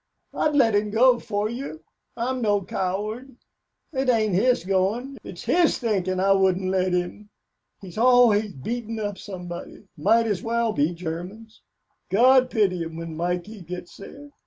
I'd let him go for you. I'm no coward. It ain't his goin'; it's his thinkin' I wouldn't let him. He's always beatin' up somebody might as well be Germans. God pity 'em when Mikey gets there.